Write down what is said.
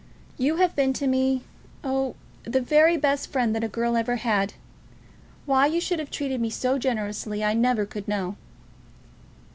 You have been to me, oh, the very best friend that a girl ever had. Why you should have treated me so generously I never could know."